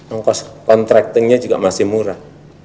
ongkos contractingnya juga masih murah